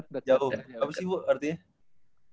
nggak jauh apa sih bu artinya